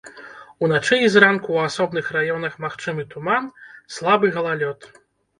Уначы і зранку ў асобных раёнах магчымы туман, слабы галалёд.